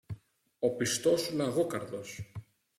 Ο πιστός σου Λαγόκαρδος